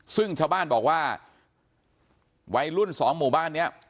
ซึ่งชาวบ้านบอกว่าวัยรุ่นสองหมู่บ้านนี้